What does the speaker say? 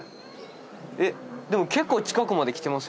えっでも結構近くまで来てましたよね？